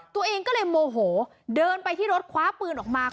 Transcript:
ตัวเองก็เลยโมโหเดินไปที่รถคว้าปืนออกมา